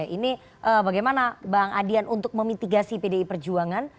ini bagaimana bang adian untuk memitigasi pdi perjuangan